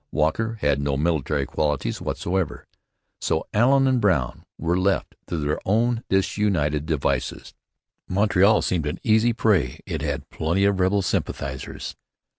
Walker had no military qualities whatever. So Allen and Brown were left to their own disunited devices. Montreal seemed an easy prey. It had plenty of rebel sympathizers.